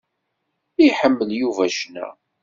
Iḥemmel Yuba ccna.